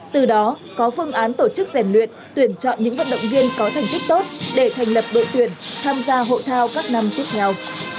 từ đó có phương án tổ chức rèn luyện tuyển chọn những vận động viên có thành tích tốt để thành lập đội tuyển tham gia hội thao các năm tiếp theo